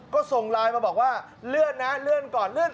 ก็ส่งไลน์มาบอกว่าเลื่อนนะเลื่อนก่อนเลื่อน